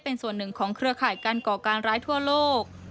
เป็นส่วนหนึ่งของเครือข่ายการก่อการร้ายทั่วโลก